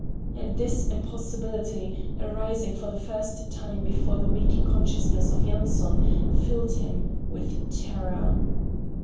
And this impossibility, arising for the first time before the weak consciousness of Yanson, filled him with terror.